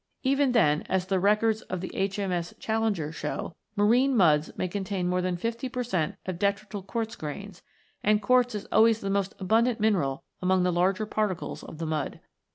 Even then, as the records of H.M.S. " Challenger " show(44), marine muds may contain more than fifty per cent, of detrital quartz grains, and quartz is always the most abundant mineral among the larger particles of the mud.